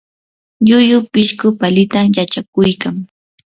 llullu pishqu palita yachakuykan.